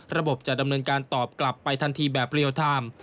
จะดำเนินการตอบกลับไปทันทีแบบเรียลไทม์